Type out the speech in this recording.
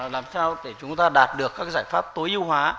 để chúng ta đạt được các giải pháp tối ưu hóa